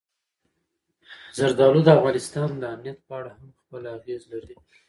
زردالو د افغانستان د امنیت په اړه هم خپل اغېز لري.